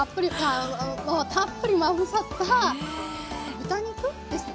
たっぷりまぶさった豚肉？ですね。